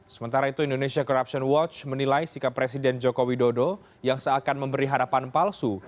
sementara itu indonesia corruption watch menilai sikap presiden joko widodo yang seakan memberi harapan palsu